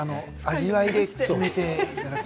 味わいで決めていただければ。